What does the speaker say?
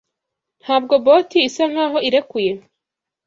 Ntabwo Bolt isa nkaho irekuye?